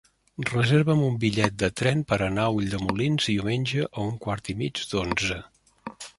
Reserva'm un bitllet de tren per anar a Ulldemolins diumenge a un quart i mig d'onze.